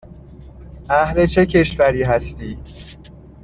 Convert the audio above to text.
اهل چه کشوری هستی؟